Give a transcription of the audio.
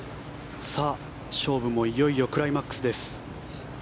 勝負もいよいよクライマックスです。